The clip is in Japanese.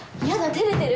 照れてる？